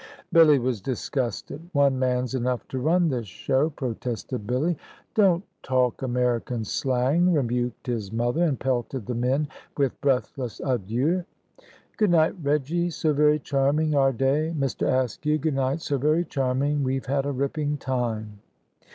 Billy was disgusted. "One man's enough to run this show," protested Billy. "Don't talk American slang," rebuked his mother, and pelted the men with breathless adieux. "Goodnight, Reggy, so very charming, our day! Mr. Askew, goodnight so very amusing! We've had a ripping time."